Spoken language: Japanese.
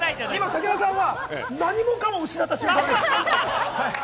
武田さんは今、何もかも失った瞬間です。